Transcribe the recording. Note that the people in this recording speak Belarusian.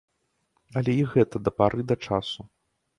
Але і гэта да пары да часу.